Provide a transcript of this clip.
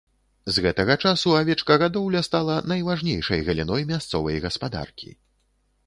З гэтага часу авечкагадоўля стала найважнейшай галіной мясцовай гаспадаркі.